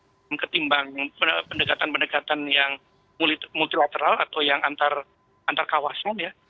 ketimbang pendekatan pendekatan yang multilateral atau yang antar kawasan ya